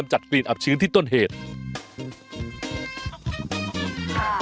สักครู่เดี๋ยวครับ